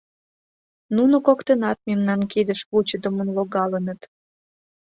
Нуно коктынат мемнан кидыш вучыдымын логалыныт.